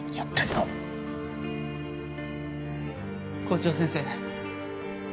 校長先生。